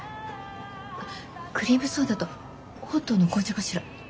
あクリームソーダとホットの紅茶かしら？